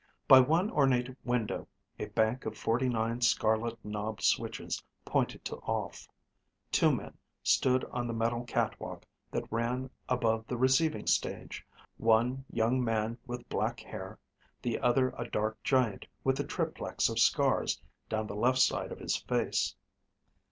By one ornate window a bank of forty nine scarlet knobbed switches pointed to off. Two men stood on the metal catwalk that ran above the receiving stage, one young man with black hair, the other a dark giant with a triplex of scars down the left side of his face.